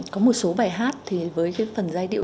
có một số bài hát thì với cái phần giai điệu